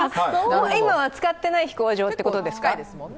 今は使ってない飛行場ってことですか？